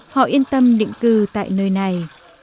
họ yên tâm định cư tại nơi này